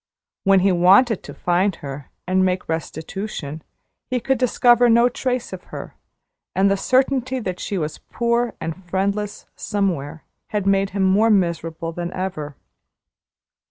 When he wanted to find her, and make restitution, he could discover no trace of her; and the certainty that she was poor and friendless somewhere had made him more miserable than ever.